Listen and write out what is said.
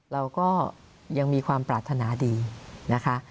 เราก็ยังมีความปรารถนาดีนะคะ